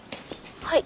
はい。